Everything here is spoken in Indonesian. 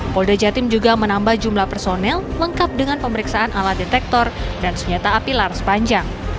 polda jatim juga menambah jumlah personel lengkap dengan pemeriksaan ala detektor dan senjata api laras panjang